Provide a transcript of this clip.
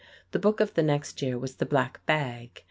The book of the next year was "The Black Bag."